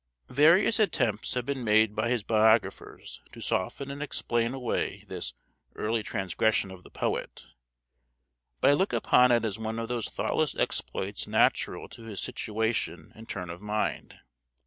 Various attempts have been made by his biographers to soften and explain away this, early transgression of the poet; but I look upon it as one of those thoughtless exploits natural to his situation and turn of mind.